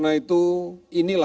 tapi untuk kita